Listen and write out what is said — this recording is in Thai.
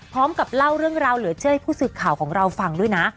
พร้อมกับเล่าเรื่องราวเหลือเชื่อให้ผู้สื่อข่าวของเราฟังด้วยนะ